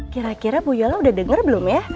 kira kira bu yola udah dengar belum ya